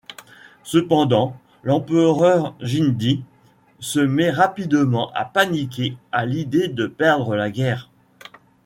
Cependant, l'empereur Jingdi se met rapidement à paniquer à l’idée de perdre la guerre.